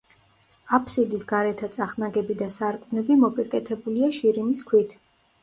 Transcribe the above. აფსიდის გარეთა წახნაგები და სარკმლები მოპირკეთებულია შირიმის ქვით.